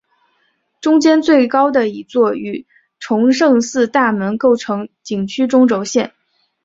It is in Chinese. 中间最高的一座与崇圣寺大门构成景区中轴线。